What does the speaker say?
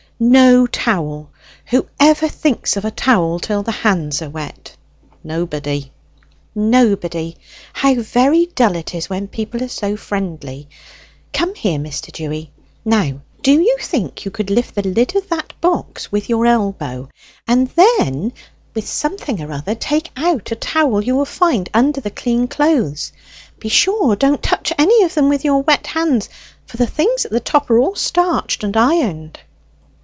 no towel! Whoever thinks of a towel till the hands are wet?" "Nobody." "'Nobody.' How very dull it is when people are so friendly! Come here, Mr. Dewy. Now do you think you could lift the lid of that box with your elbow, and then, with something or other, take out a towel you will find under the clean clothes? Be sure don't touch any of them with your wet hands, for the things at the top are all Starched and Ironed."